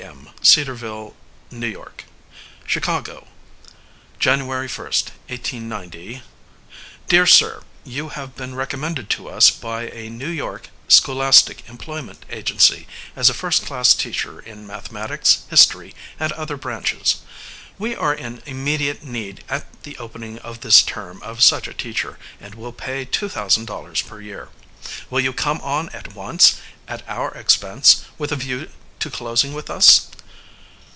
M., Cedarville, N., Y. "CHICAOO, January 1, 189 . "Dear Sir: You have been recommended to us by a New York scholastic employment agency as a first class teacher in mathematics, history, and other branches. We are in immediate need at the opening of this term of such a teacher, and will pay two thousand dollars per year. Will you come on at once, at our expense, with a view to closing with us?